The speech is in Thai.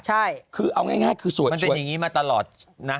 ใช่คือเอาง่ายคือส่วนคน